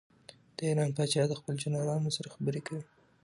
د ایران پاچا د خپلو جنرالانو سره خبرې کوي.